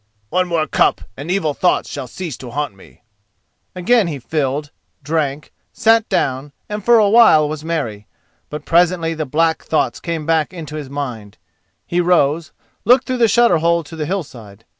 "One more cup, and evil thoughts shall cease to haunt me." [*] "Health! health!" Again he filled, drank, sat down, and for a while was merry. But presently the black thoughts came back into his mind. He rose, looked through the shutter hole to the hillside.